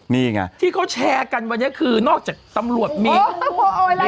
นี่ไงที่เค้าแชร์กันวันนี้คือนอกจากตำรวจมีโหอ๋ออ๋อไอ